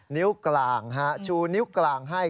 นิ้วกลางชูนิ้วกลางให้